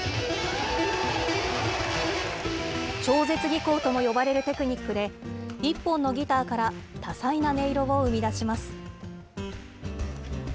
超絶技巧とも呼ばれるテクニックで、一本のギターから多彩な音色を生み出します。